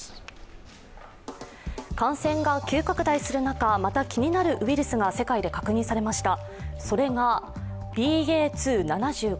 感染が急拡大する中、また気になるウイルスが世界で確認されました。